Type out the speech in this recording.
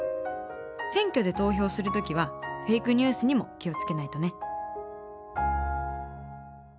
選挙で投票する時はフェイクニュースにも気を付けないとね